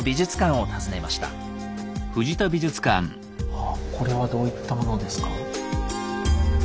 あっこれはどういったものですか？